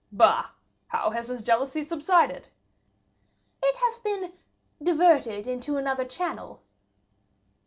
"Bah! how has his jealousy subsided?" "It has been diverted into another channel."